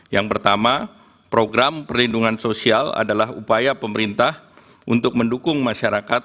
yang pertama program perlindungan sosial adalah upaya pemerintah untuk mendukung masyarakat